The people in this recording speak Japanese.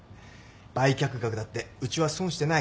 売却額だってうちは損してない。